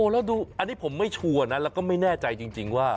แล้วดูอันนี้ผมไม่ชัวร์นะแล้วก็ไม่แน่ใจจริงว่า